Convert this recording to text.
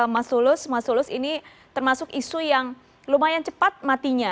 mas tulus mas tulus ini termasuk isu yang lumayan cepat matinya